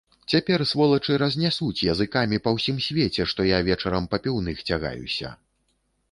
Цяпер, сволачы, разнясуць языкамі па ўсім свеце, што я вечарам па піўных цягаюся.